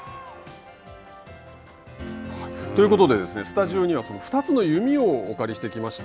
ということでスタジオには２つの弓をお借りしてきました。